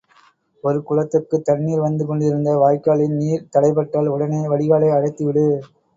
ஒரு குளத்துக்கு தண்ணீர் வந்து கொண்டிருந்த வாய்க்காலின் நீர் தடைப்பட்டால் உடனே வடிகாலை அடைத்துவிடு.